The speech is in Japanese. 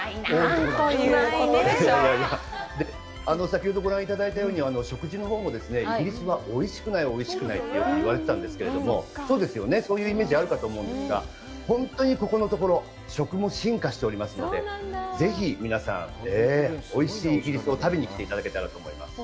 先ほどご覧いただいたように、食事のほうも、イギリスはおいしくないおいしくないってよく言われてたんですけれども、そうですよね、そういうイメージがあるかと思うんですが、本当にここのところ、食も進化しておりますので、ぜひ皆さん、おいしいイギリスを食べに来ていただけたらと思います。